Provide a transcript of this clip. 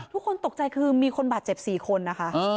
ทุกคนตกใจคือมีคนบาดเจ็บ๔คนนะคะ